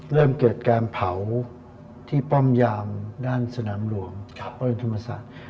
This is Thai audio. เริ่มเกิดการเผาที่ป้อมยามด้านสนามหลวงพระบรมศาสตร์